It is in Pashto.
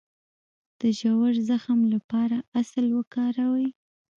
د ژور زخم لپاره عسل وکاروئ